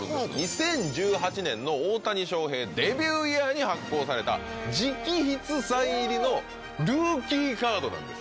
２０１８年の大谷翔平デビュー以来に発行された直筆サイン入りのルーキーカードなんです。